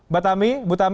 bu tami selamat malam